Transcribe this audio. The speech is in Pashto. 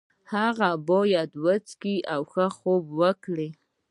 هغه باید وڅښي او ښه خوب وکړي.